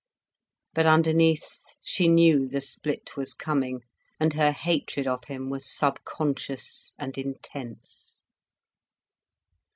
But underneath she knew the split was coming, and her hatred of him was subconscious and intense.